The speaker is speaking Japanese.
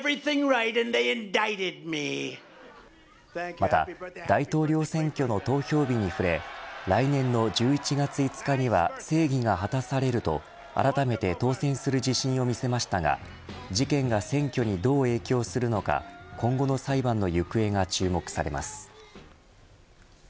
また大統領選挙の投票日に触れ来年の１１月５日には正義が果たされると、あらためて当選する自信を見せましたが事件が選挙にどう影響するのか今後の裁判の行方が注目されます。